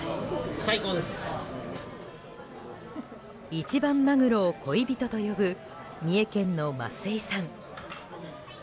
一番マグロを恋人と呼ぶ三重県の増井さん。